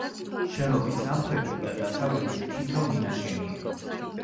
შენობის სამხრეთით და დასავლეთით თითო მინაშენია.